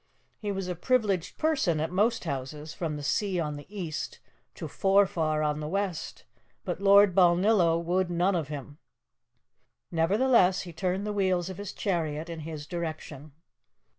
He was a privileged person at most houses, from the sea on the east to Forfar on the west, but Lord Balnillo would none of him. Nevertheless, he turned the wheels of his chariot in his direction.